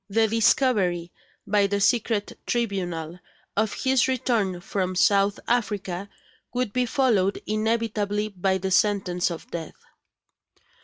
The discovery, by the secret tribunal, of his return from South Africa would be followed inevitably by the sentence of death.